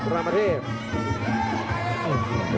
โหโหโหโหโหโห